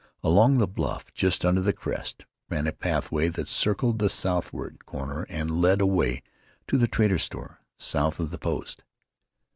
Along the bluff, just under the crest, ran a pathway that circled the southeastward corner and led away to the trader's store, south of the post.